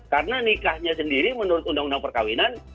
karena nikahnya sendiri menurut undang undang perkahwinan